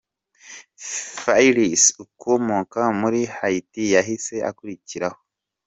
Phyllisia, ukomoka muri Haiti yahise akurikiraho.